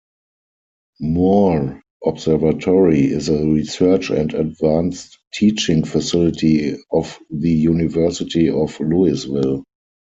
Moore Observatory is a research and advanced teaching facility of the University of Louisville.